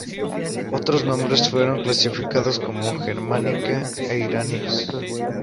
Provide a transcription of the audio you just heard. Otros nombres fueron clasificados como germánica e iranios.